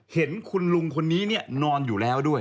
เห็นคุณลุงคนนี้นอนอยู่แล้วด้วย